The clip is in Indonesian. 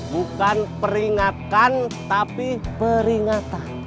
bukan peringatkan tapi peringatan